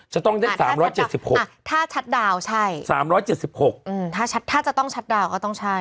จะต้องได้๓๗๖ถ้าชัดดาวน์ใช่๓๗๖ถ้าจะต้องชัดดาวก็ต้องใช่